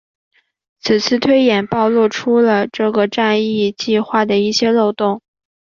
此次推演暴露出了这个战役计划的一些漏洞。